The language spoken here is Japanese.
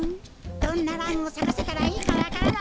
どんなランをさかせたらいいかわからない。